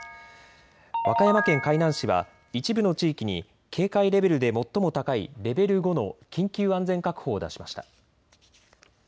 和歌山県海南市は一部の地域に警戒レベルで最も高いレベル５の緊急安全確保を出しました。